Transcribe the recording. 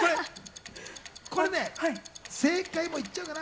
これね、正解もう言っちゃおうかな。